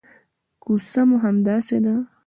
کوڅه مو همداسې ده.